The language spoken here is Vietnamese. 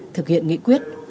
thực hiện nghị quyết